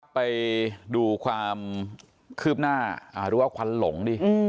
ต้องไปดูความคืบหน้าดูว่าควันหลงดี